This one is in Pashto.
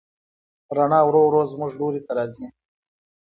رڼا ورو ورو زموږ لوري ته راځي.